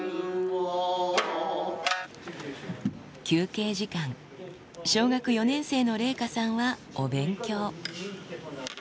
休憩時間、小学４年生の麗禾さんはお勉強。